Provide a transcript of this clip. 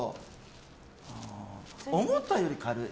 思ったより軽い。